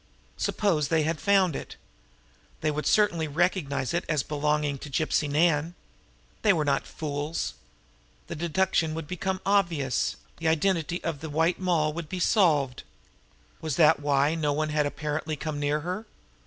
Suppose they had found it! They would certainly recognize it as belonging to Gypsy Nan! They were not fools. The deduction would be obvious the identity of the White Moll would be solved. Was that why no one had apparently come near her?